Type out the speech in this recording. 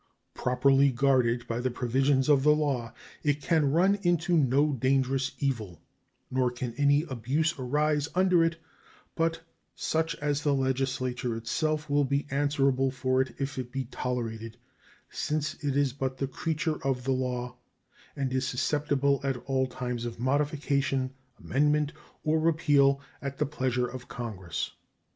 Properly guarded by the provisions of law, it can run into no dangerous evil, nor can any abuse arise under it but such as the Legislature itself will be answerable for if it be tolerated, since it is but the creature of the law and is susceptible at all times of modification, amendment, or repeal at the pleasure of Congress.